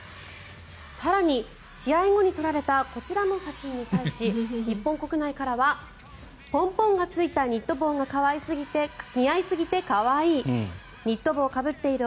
更に、試合後に撮られたこちらの写真に対し日本国内からはポンポンがついたニット帽が似合いすぎて可愛いニット帽かぶっている